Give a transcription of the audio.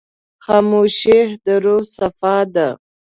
خاموشي، د روح صفا ده.